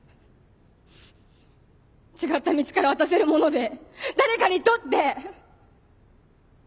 違った道から渡せるもので誰かにとって。